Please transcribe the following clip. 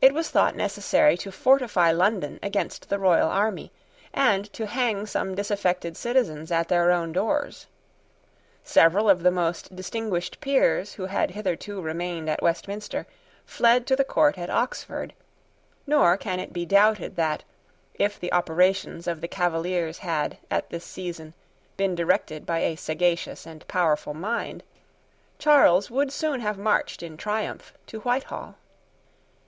It was thought necessary to fortify London against the royal army, and to hang some disaffected citizens at their own doors. Several of the most distinguished peers who had hitherto remained at Westminster fled to the court at Oxford; nor can it be doubted that, if the operations of the Cavaliers had, at this season, been directed by a sagacious and powerful mind, Charles would soon have marched in triumph to Whitehall.